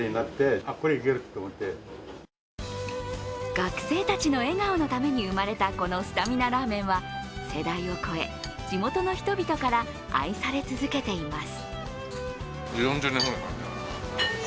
学生たちの笑顔のために生まれたこのスタミナラーメンは世代を超え、地元の人々から愛され続けています。